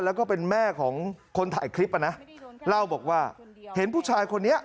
แล้วก็เป็นแม่ของคนถ่ายคลิปอ่ะนะเล่าบอกว่าเห็นผู้ชายคนนี้